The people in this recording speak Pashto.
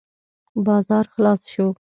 بازار خلاص شو.